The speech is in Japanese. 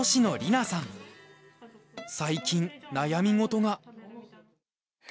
最近悩み事が。